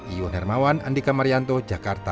iwan hermawan andika marianto jakarta